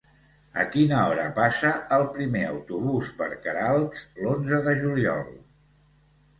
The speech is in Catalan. A quina hora passa el primer autobús per Queralbs l'onze de juliol?